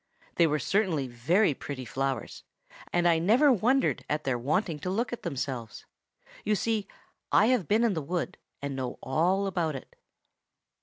They were certainly very pretty flowers, and I never wondered at their wanting to look at themselves. You see I have been in the wood, and know all about it.